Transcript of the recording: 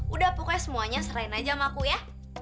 udah pokoknya semuanya serain aja sama aku ya